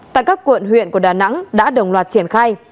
tại các quận huyện của đà nẵng đã đồng loạt triển khai